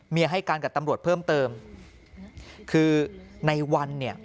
ให้การกับตำรวจเพิ่มเติมคือในวันเนี่ย